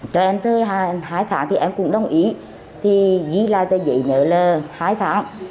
cho em chơi hai tháng thì em cũng đồng ý thì ghi lại cái giấy nữa là hai tháng